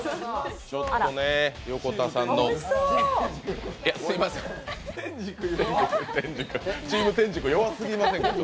ちょっと横田さんのチーム天竺、弱すぎませんか？